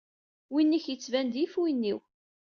Win-ik yettban-d yif win-iw.